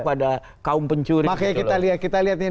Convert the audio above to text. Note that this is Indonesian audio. pada kaum pencuri makanya kita lihat